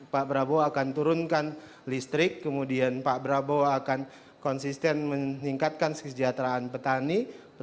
pak prabowo akan turunkan listrik kemudian pak prabowo akan konsisten meningkatkan kesejahteraan petani